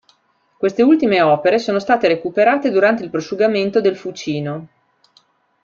Queste ultime opere sono state recuperate durante il prosciugamento del Fucino.